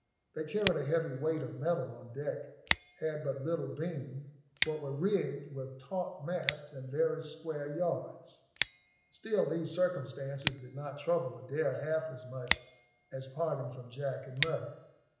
They carried a heavy weight of metal on deck, had but little beam, but were rigged with taut masts and very square yards. Still these circumstances did not trouble Adair half as much as parting from Jack and Murray.